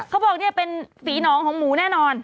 เขาบอกเนี่ยเป็นฝีหนองของหมูแน่นอน